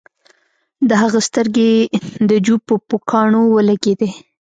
د هغه سترګې د جو په پوکاڼو ولګیدې